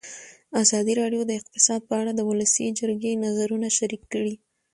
ازادي راډیو د اقتصاد په اړه د ولسي جرګې نظرونه شریک کړي.